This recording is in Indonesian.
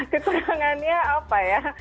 kekurangannya apa ya